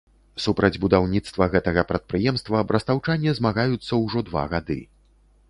Супраць будаўніцтва гэтага прадпрыемства брастаўчане змагаюцца ўжо два гады.